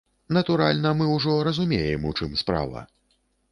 Натуральна, мы ўжо разумеем, у чым справа.